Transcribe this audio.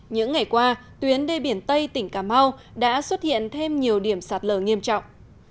những ngày qua tuyến đê biển tây tỉnh cà mau đã xuất hiện thêm nhiều điểm sạt lở nghiêm trọng